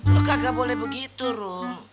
lo kagak boleh begitu rum